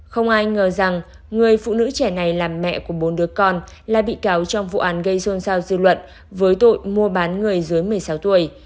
không ai ngờ rằng người phụ nữ trẻ này là mẹ của bốn đứa con là bị cáo trong vụ án gây xôn xao dư luận với tội mua bán người dưới một mươi sáu tuổi